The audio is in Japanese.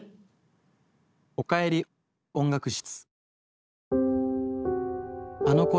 「おかえり音楽室」。